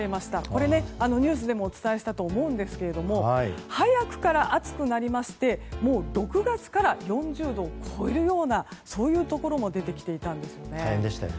これ、ニュースでもお伝えしたと思うんですが早くから暑くなりまして６月から４０度を超えるようなそういうところも出てきていたんですね。